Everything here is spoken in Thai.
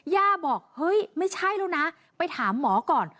ย่าบอกเฮ้ยไม่ใช่แล้วนะไปถามหมอก่อน